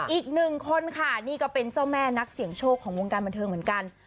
อีกหนึ่งคนค่ะนี่ก็เป็นเจ้าแม่นักเสี่ยงโชคของวงการบันเทิงเหมือนกัน